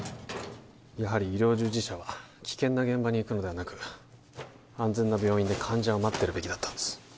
やはり医療従事者は危険な現場に行くのではなく安全な病院で患者を待ってるべきだったんです